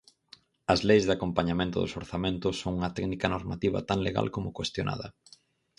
As leis de acompañamento dos orzamentos son unha técnica normativa tan legal como cuestionada.